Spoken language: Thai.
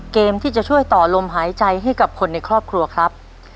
เกมที่จะช่วยต่อลมหายใจให้กับคนในครอบครัวครับ